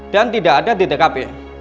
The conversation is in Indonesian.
dan tidak ada di tkp